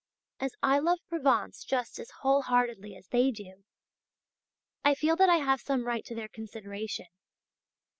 As I love Provence just as whole heartedly as they do, I feel that I have some right to their consideration.